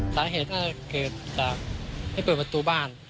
สาเหตุก็เกิดจากให้เปิดประตูบ้าน